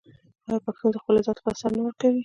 آیا پښتون د خپل عزت لپاره سر نه ورکوي؟